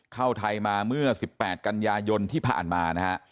เข้าไทยมาเมื่อ๑๘กันยายนที่ผ่านมานะฮะ